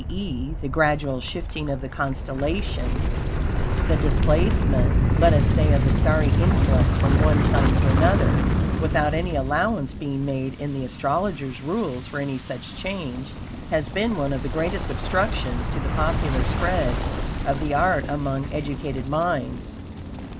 e., the gradual shifting of the constellations, the DISPLACEMENT, let us say, of the starry influx from one sign to another without any ALLOWANCE being made in the astrologer's rules for any such change, has been one of the greatest obstructions to the popular spread of the art among EDUCATED MINDS.